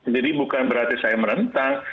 jadi bukan berarti saya merentang